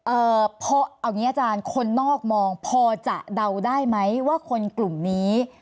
เอ่อเพราะเอาอย่างงี้อาจารย์คนนอกมองพอจะเดาได้ไหมว่าคนกลุ่มนี้